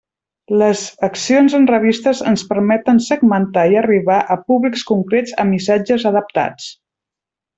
Les accions en revistes ens permeten segmentar i arribar a públics concrets amb missatges adaptats.